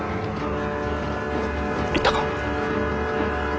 行ったか？